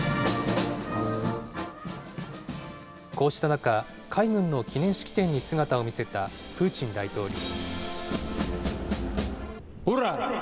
こうした中、海軍の記念式典に姿を見せたプーチン大統領。